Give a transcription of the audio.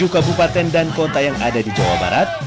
tujuh kabupaten dan kota yang ada di jawa barat